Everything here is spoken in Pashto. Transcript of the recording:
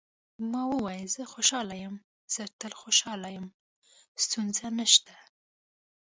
ما وویل: زه خوشاله یم، زه تل خوشاله یم، ستونزه نشته.